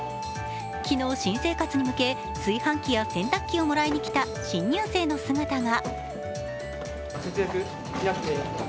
昨日、新生活に向け炊飯器や洗濯機をもらいに来た新入生の姿が。